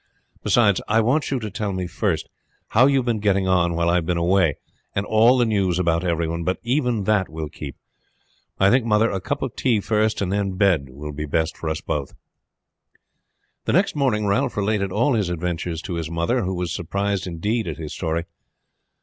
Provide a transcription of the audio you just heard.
Beside, I want you to tell me first how you have been getting on while I have been away, and all the news about everyone; but even that will keep. I think, mother, a cup of tea first and then bed will be best for us both." The next morning Ralph related all his adventures to his mother, who was surprised indeed at his story.